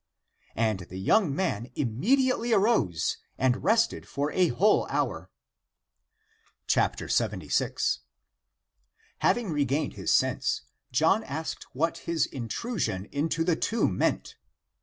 " And the young man immediately arose and rested for a whole hour. 'jd. Having regained his sense, John asked what his intrusion into the tomb meant.